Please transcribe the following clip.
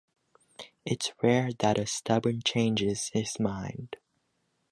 It’s rare that a stubborn changes his mind.